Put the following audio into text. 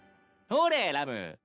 ほれラム。